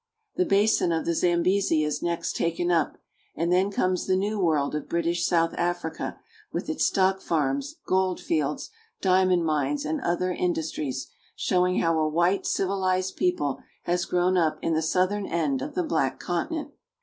The basin of the Zambesi is next taken up; and then comes the new world of British South Africa, with its stock farms, gold fields, diamond mines, and other indus tries, showing how a white civilized people has grown up in the southern end of the black continent.